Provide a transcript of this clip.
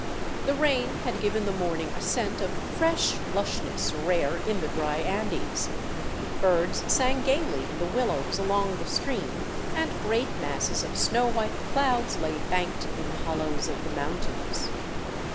The rain had given the morning a scent of fresh lush ness rare in the dry Andes ; birds sang gaily in the willows along the stream ; and great masses of snow white clouds lay banked in the hol lows of the mountains.